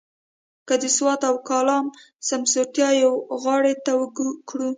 که د سوات او کالام سمسورتیا یوې غاړې ته کړو.